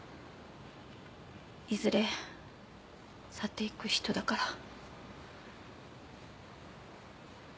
いずれ去っていく人だから。